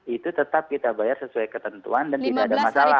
itu tetap kita bayar sesuai ketentuan dan tidak ada masalah